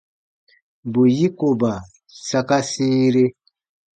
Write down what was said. Bù yikoba saka sĩire.